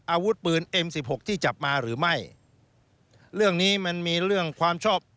อาวุธปืนเอ็มสิบหกที่จับมาหรือไม่เรื่องนี้มันมีเรื่องความชอบ